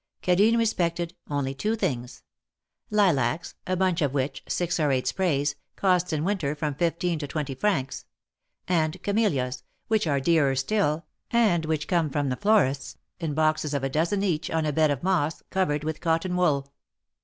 Cadine respected only two things: lilacs, a bunch of which — six or eight sprays — costs in winter from fifteen to twenty francs ; and camelias, which are dearer still, and which came from the florist's, in boxes of a dozen each, on a bed of moss, covered with cotton wool.